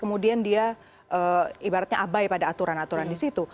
kemudian dia ibaratnya abai pada aturan aturan di situ